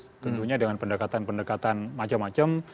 tentunya dengan pendekatan pendekatan macam macam